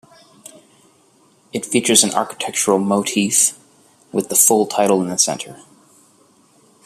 It features an architectural motif with the full title in the center.